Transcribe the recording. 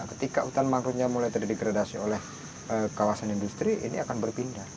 nah ketika hutan mangrove nya mulai terdegradasi oleh kawasan industri ini akan berpindah